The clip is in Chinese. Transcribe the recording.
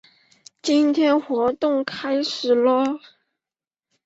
今天活动开始啰！